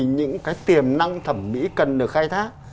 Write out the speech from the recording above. những cái tiềm năng thẩm mỹ cần được khai thác